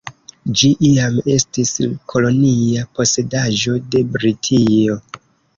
Ĝi iam estis kolonia posedaĵo de Britio.